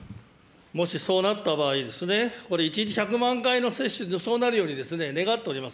もしそうなった場合、これ、１日１００万回の接種でそうなるように願っております。